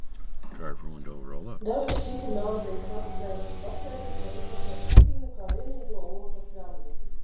Dažas hitināzi producējošas baktērijas var izmantot hitīnu kā vienīgo oglekļa avotu.